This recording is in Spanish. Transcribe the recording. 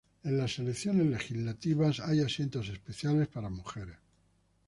En las elecciones legislativas, hay asientos especiales para mujeres.